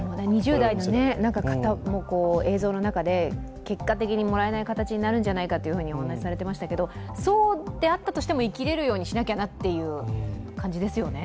２０代の方も映像の中で、結果的にもらえない形になるんじゃないかとお話しされてましたけど、そうであったとしても生きれるようにしなきゃなっていう感じですよね。